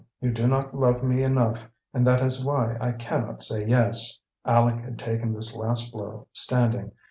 You do not love me enough, and that is why I can not say yes." Aleck had taken this last blow standing.